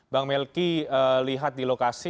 bang melki lihat di lokasi